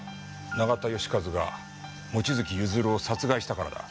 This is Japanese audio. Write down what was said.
永田佳和が望月譲を殺害したからだ。